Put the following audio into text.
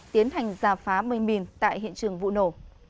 tiến hành giả phá mây mìn tại hiện trường vụ nổ